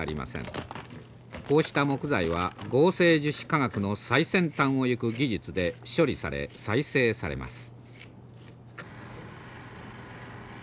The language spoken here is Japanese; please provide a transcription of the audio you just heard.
こうした木材は合成樹脂科学の最先端をいく技術で処理され再生されます。